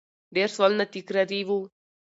ډېر سوالونه تکراري وو